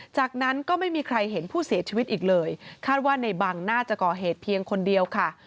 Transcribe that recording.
จากนั้นก็ไม่มีใครเห็นผู้เสียชีวิตอีกเลยคาดว่าในบังน่าจะก่อเหตุเพียงคนเดียวค่ะ